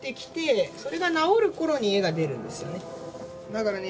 だからね